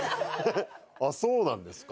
あっそうなんですか？